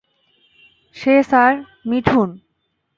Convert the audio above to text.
সে sir, Mithun.